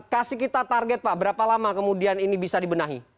kasih kita target pak berapa lama kemudian ini bisa dibenahi